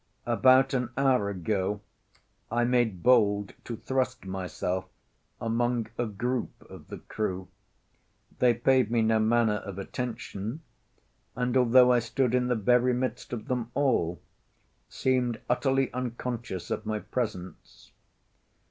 About an hour ago, I made bold to thrust myself among a group of the crew. They paid me no manner of attention, and, although I stood in the very midst of them all, seemed utterly unconscious of my presence.